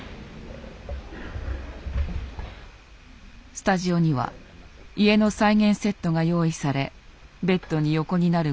スタジオには家の再現セットが用意されベッドに横になるご主人。